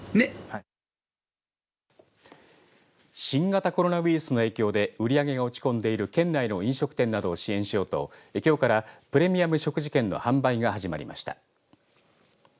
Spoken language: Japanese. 新型コロナウイルスの影響で売り上げが落ち込んでいる県内の飲食店などを支援しようときょうからプレミアム食事券の販売が始まりました。